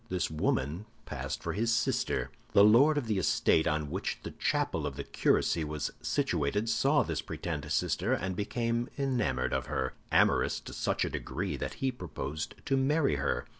This woman passed for his sister. "The Lord of the estate on which the chapel of the curacy was situated saw this pretend sister, and became enamoured of her—amorous to such a degree that he proposed to marry her.